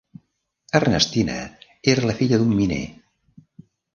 Ernestine era la filla d'un miner.